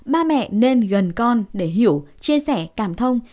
ba mẹ nên gần con để hiểu chia sẻ cảm thông